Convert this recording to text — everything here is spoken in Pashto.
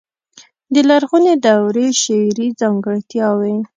د لرغونې دورې شعري ځانګړتياوې.